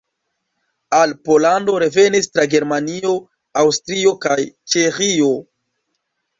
Al Pollando revenis tra Germanio, Aŭstrio kaj Ĉeĥio.